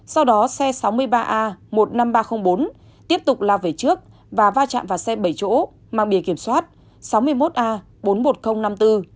sau đó xe sáu mươi ba a một mươi năm nghìn ba trăm linh bốn tiếp tục lao về trước và va chạm vào xe bảy chỗ mang bìa kiểm soát sáu mươi một a bốn mươi một nghìn năm mươi bốn